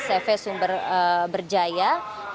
sebenarnya ini adalah penyelesaian dari sdi